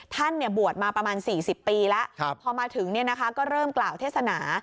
ท่านบวชมาประมาณ๔๐ปีแล้วพอมาถึงก็เริ่มกล่าวเทศนา